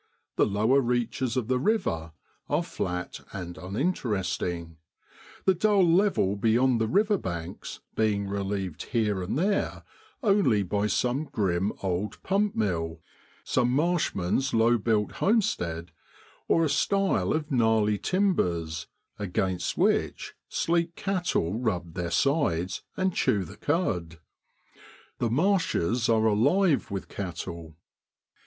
The lower reaches of the river are flat and uninteresting, the dull level beyond the river banks being relieved here and there only by some grim old pump mill, some marshman's low built homestead, or a stile of gnarly timbers, against which sleek cattle rub their sides and chew the cud. The marshes are alive with cattle.